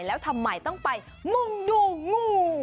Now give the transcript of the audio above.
แล้วทำไมต้องไปมุ่งดูงู